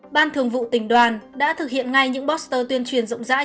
ban thường vụ tỉnh đoàn đã thực hiện ngay những poster tuyên truyền rộng rãi